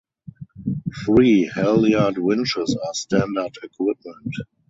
Three halyard winches are standard equipment.